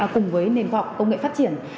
cùng với nền khoa học công nghệ phát triển